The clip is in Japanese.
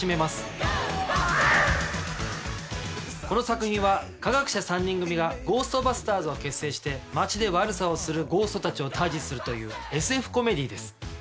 この作品は科学者３人組がゴーストバスターズを結成して街で悪さをするゴーストたちを退治するというＳＦコメディーです。